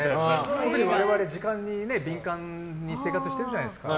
特に我々、時間に敏感に生活してるじゃないですか。